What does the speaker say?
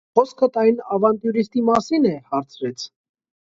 - Խոսքդ այն ավանտյուրիստի մասի՞ն է,- հարցրեց: